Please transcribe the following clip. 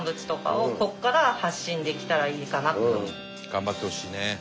頑張ってほしいね。